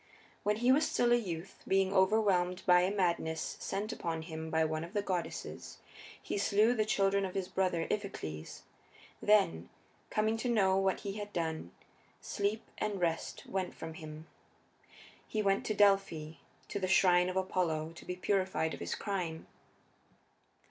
When he was still a youth, being overwhelmed by a madness sent upon him by one of the goddesses, he slew the children of his brother Iphicles. Then, coming to know what he had done, sleep and rest went from him: he went to Delphi, to the shrine of Apollo, to be purified of his crime.